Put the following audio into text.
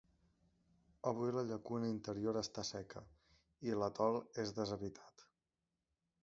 Avui la llacuna interior està seca, i l'atol és deshabitat.